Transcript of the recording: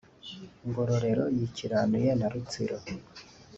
Ngororero yikiranure na Rutsiro